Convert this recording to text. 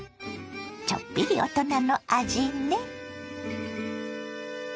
ちょっぴり大人の味ね。